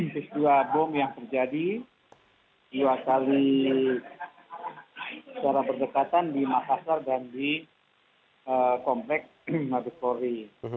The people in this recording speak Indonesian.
peristiwa bom yang terjadi dua kali secara berdekatan di makassar dan di komplek mabes polri